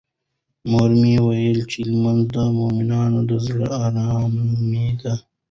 مور مې وویل چې لمونځ د مومن د زړه ارامي ده.